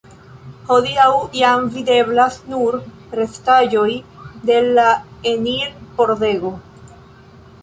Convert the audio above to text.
Hodiaŭ jam videblas nur restaĵoj de la enir-pordego.